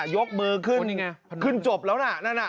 ยกมือขึ้นขึ้นจบแล้วนะนั่นน่ะ